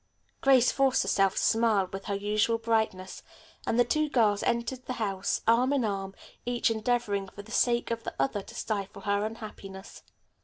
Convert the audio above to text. Grace forced herself to smile with her usual brightness, and the two girls entered the house arm in arm, each endeavoring, for the sake of the other to stifle her unhappiness.